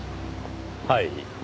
はい。